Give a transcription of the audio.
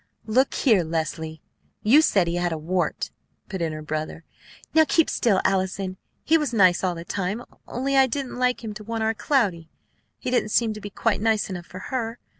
"Look here! Leslie, you said he had a wart!" put in her brother. "Now keep still, Allison. He was nice all the time; only I didn't like him to want our Cloudy. He didn't seem to be quite nice enough for her.